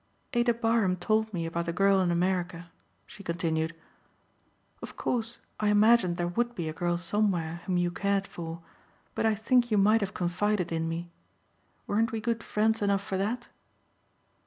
"Ada Barham told me about the girl in America," she continued. "Of course I imagined there would be a girl somewhere whom you cared for but I think you might have confided in me. Weren't we good friends enough for that?"